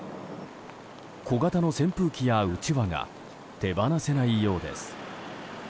小型の扇風機やうちわが手放せないようです。